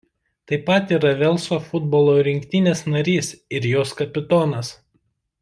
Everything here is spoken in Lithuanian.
Taip pat yra Velso futbolo rinktinės narys ir jos kapitonas.